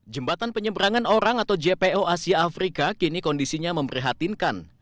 jembatan penyeberangan orang atau jpo asia afrika kini kondisinya memprihatinkan